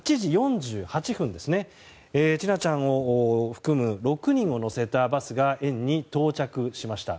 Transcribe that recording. ８時４８分、千奈ちゃんを含む６人を乗せたバスが園に到着しました。